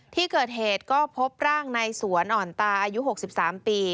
ที่เกิดเหตุก็พบร่างในสวนอ่อนตาอายุ๖๓ปี